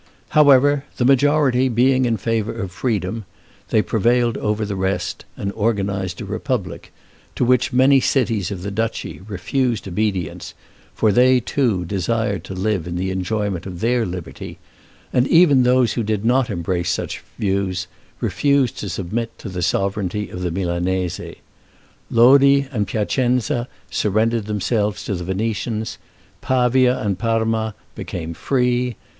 However, the majority being in favor of freedom, they prevailed over the rest, and organized a republic, to which many cities of the Duchy refused obedience; for they, too, desired to live in the enjoyment of their liberty, and even those who did not embrace such views, refused to submit to the sovereignty of the Milanese. Lodi and Piacenza surrendered themselves to the Venetians; Pavia and Parma became free.